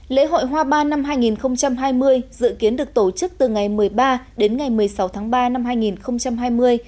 lễ hội hoa ban năm hai nghìn hai mươi dự kiến được tổ chức từ ngày một mươi ba đến ngày một mươi sáu tháng ba năm hai nghìn hai mươi